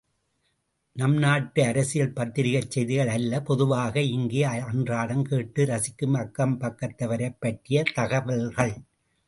நம் நாட்டு அரசியல் பத்திரிகைச் செய்திகள் அல்ல பொதுவாக இங்கே அன்றாடம் கேட்டு ரசிக்கும் அக்கம்பக்கத்தவரைப் பற்றிய தகவல்கள்.